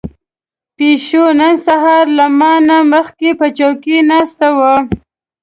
پيشو نن سهار له ما نه مخکې په چوکۍ ناسته وه.